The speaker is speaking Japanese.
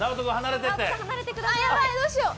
ヤバい、どうしよう！